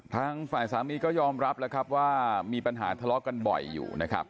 ทางฝ่ายสามีก็ยอมรับแล้วครับว่ามีปัญหาทะเลาะกันบ่อยอยู่นะครับ